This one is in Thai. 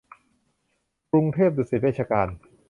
กรุงเทพดุสิตเวชการ